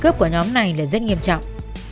tính mạng của nhóm này là rất nghiêm trọng